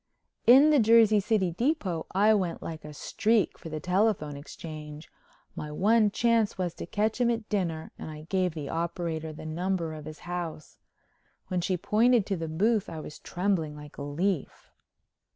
In the Jersey City depot I went like a streak for the Telephone Exchange. My one chance was to catch him at dinner and I gave the operator the number of his house. When she pointed to the booth I was trembling like a leaf.